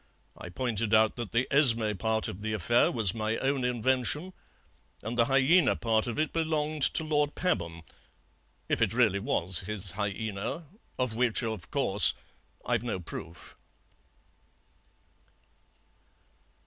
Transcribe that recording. I pointed out that the Esmé part of the affair was my own invention, and the hyaena part of it belonged to Lord Pabham, if it really was his hyaena, of which, of course, I've no proof."